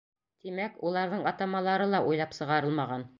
Тимәк, уларҙың атамалары ла уйлап сығарылмаған.